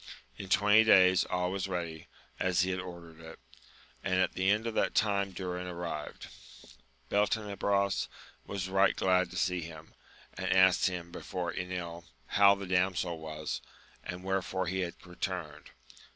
In twenty days all was ready, as he had ordered it, and at the end of that time Durin arrived. Beltenebros was right glad to see him, and asked him before Enil how the damsel was, and wherefore he had returned.